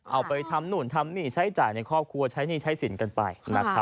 เอาไปทำนู่นทำนี่ใช้จ่ายในครอบครัวใช้หนี้ใช้สินกันไป